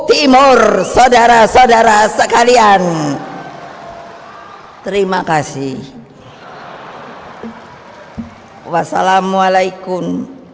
timur saudara saudara sekalian terima kasih wassalamualaikum